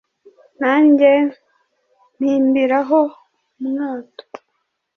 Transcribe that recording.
nanjye mpimbira ho umwato